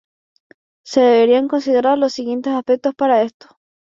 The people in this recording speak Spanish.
Se deberán considerar los siguientes aspectos para que esto.